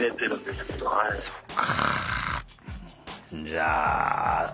じゃあ。